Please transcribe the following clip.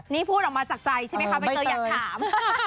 นี่พูดออกมาจากใจใช่ไหมคะใบเตยอยากถาม